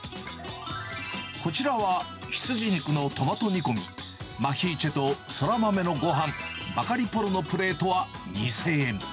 こちらは羊肉のトマト煮込み、マヒーチェとそら豆のごはん、バガリポロのプレートは２０００円。